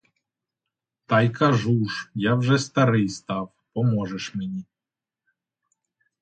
Та й кажу ж — я вже старий став, поможеш мені.